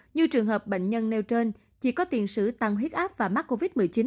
như trường hợp bệnh nhân nêu trên chỉ có tiền sử tăng huyết áp và mắc covid một mươi chín